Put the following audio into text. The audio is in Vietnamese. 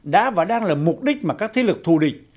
đã và đang là mục đích mà các thế lực thù địch